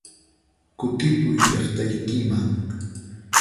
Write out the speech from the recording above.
Kutipuy llaqtaykiman!